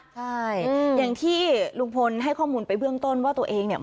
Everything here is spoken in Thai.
ใช่อย่างที่ลุงพลให้ข้อมูลไปเบื้องต้นว่าตัวเองเนี่ย